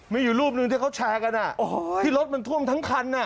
มีอยู่รูปหนึ่งที่เขาแชร์กันที่รถมันท่วมทั้งคัน